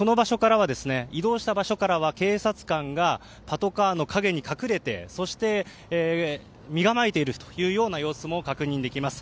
移動した場所からは警察官がパトカーの陰に隠れてそして、身構えている様子も確認できます。